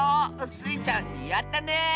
スイちゃんやったね！